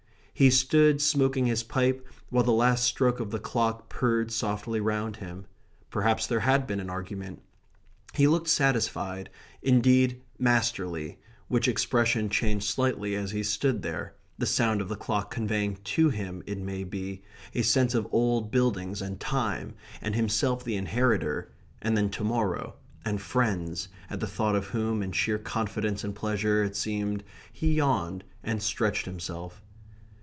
He stood smoking his pipe while the last stroke of the clock purred softly round him. Perhaps there had been an argument. He looked satisfied; indeed masterly; which expression changed slightly as he stood there, the sound of the clock conveying to him (it may be) a sense of old buildings and time; and himself the inheritor; and then to morrow; and friends; at the thought of whom, in sheer confidence and pleasure, it seemed, he yawned and stretched himself.